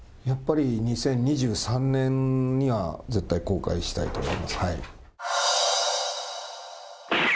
やっぱり２０２３年には絶対公開したいと思います。